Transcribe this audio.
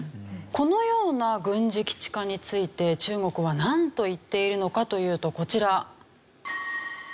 このような軍事基地化について中国はなんと言っているのかというとこちら。